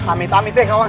amit amit deh kawan